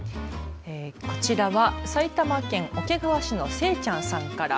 こちらは埼玉県桶川市のせいちゃんさんさんから。